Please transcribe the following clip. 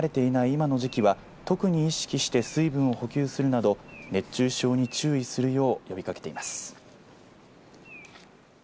今の時期は特に意識して水分を補給するなど熱中症に注意するよう呼びかけています。